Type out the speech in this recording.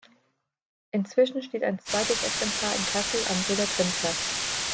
Inzwischen steht ein zweites Exemplar in Kassel am Brüder-Grimm-Platz.